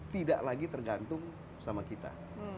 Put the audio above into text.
tidak lagi tergantung sama kita